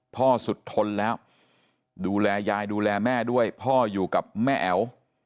สุดทนแล้วดูแลยายดูแลแม่ด้วยพ่ออยู่กับแม่แอ๋ว